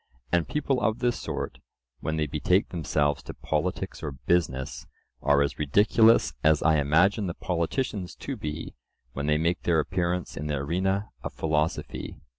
And people of this sort, when they betake themselves to politics or business, are as ridiculous as I imagine the politicians to be, when they make their appearance in the arena of philosophy.